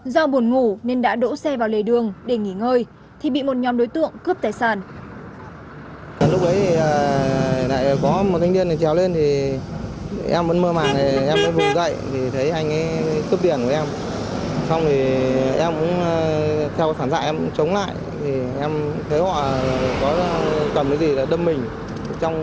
do buồn ngủ nên đã đổ xe vào lề đường để nghỉ ngơi thì bị một nhóm đối tượng cướp tài sản